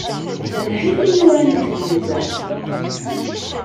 D lḥif i yuran di twenza.